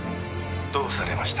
☎どうされました？